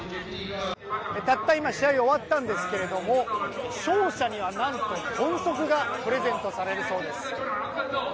たった今試合が終わったんですけれども勝者には何と豚足がプレゼントされるそうです。